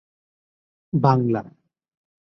Bangla